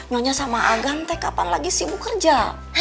nyonya sama agang teh kapan lagi sibuk kerja